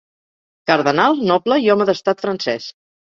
Cardenal, noble i home d'estat francès.